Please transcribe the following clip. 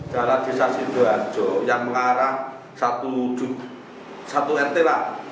jalan desa sidoarjo yang mengarah satu rt lah